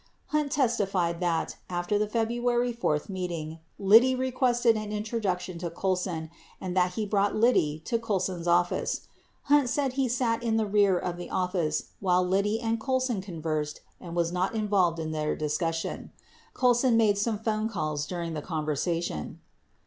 80 Hunt testified that, after the February 4 meeting, Liddy requested an introduction to Colson and that he brought Liddy to Colson's office. Hunt said he sat in the rear of the office while Liddy and Colson conversed and was not involved in their discussion. Colson made some phone calls during the conversation.